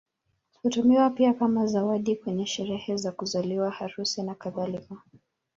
Hutumiwa pia kama zawadi kwenye sherehe za kuzaliwa, harusi, nakadhalika.